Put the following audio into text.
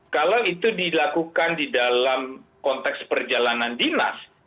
kalau itu dilakukan di dalam konteks perjalanan dinas